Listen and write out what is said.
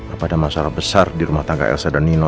kepada masalah besar di rumah tangga elsa dan nino